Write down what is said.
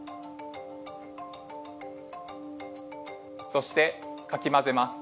そしてかき混ぜます。